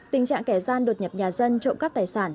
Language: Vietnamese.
tình trạng kẻ gian đột nhập nhà dân trộm cắp tài sản